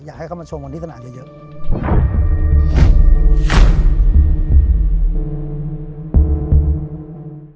อยากให้เขามาชมที่ธนาคมเยอะ